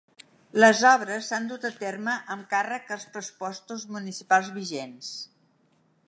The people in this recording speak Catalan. Les obres s’han dut a terme amb càrrec als pressupostos municipals vigents.